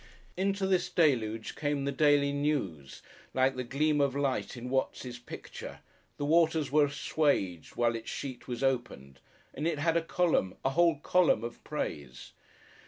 Into this deluge came the Daily News, like the gleam of light in Watts' picture, the waters were assuaged while its sheet was opened, and it had a column, a whole column, of praise.